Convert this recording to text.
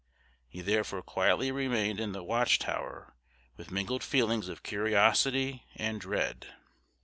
He therefore quietly remained in the watch tower with mingled feelings of curiosity and dread!